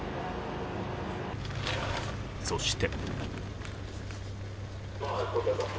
そして。